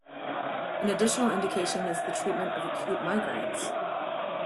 An additional indication is the treatment of acute migraines.